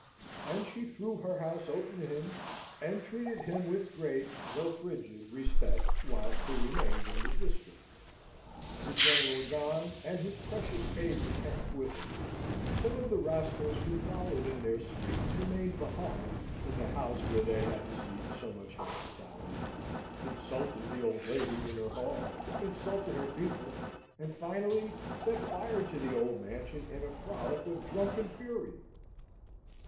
And she threw her house open to him, and treated him with great though frigid respect whilst he remained in the district. The General gone, and, his precious aide de camp with him, some of the rascals who followed in their suite remained behind in the house where they had received so much hospitality, insulted the old lady in her hall, insulted her people, and finally set fire to the old mansion in a frolic of drunken fury.